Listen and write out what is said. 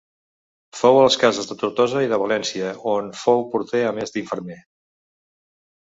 Fou a les cases de Tortosa i de València, on fou porter a més d'infermer.